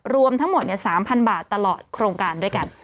รวมทั้งหมด๓๐๐๐บาทตลอดโครงการด้วยกัน